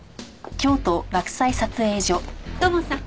土門さん。